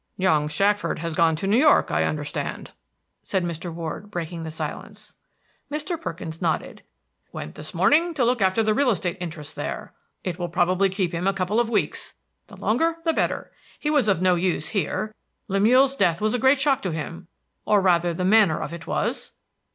"Young Shackford has gone to New York, I understand," said Mr. Ward, breaking the silence. Mr. Perkins nodded. "Went this morning to look after the real estate interests there. It will probably keep him a couple of weeks, the longer the better. He was of no use here. Lemuel's death was a great shock to him, or rather the manner of it was."